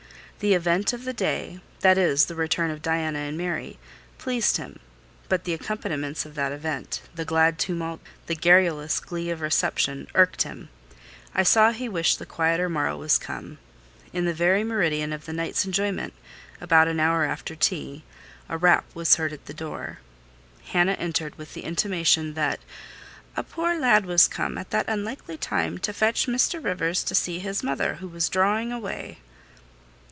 The event of the day—that is, the return of Diana and Mary—pleased him; but the accompaniments of that event, the glad tumult, the garrulous glee of reception irked him: I saw he wished the calmer morrow was come. In the very meridian of the night's enjoyment, about an hour after tea, a rap was heard at the door. Hannah entered with the intimation that "a poor lad was come, at that unlikely time, to fetch Mr. Rivers to see his mother, who was drawing away."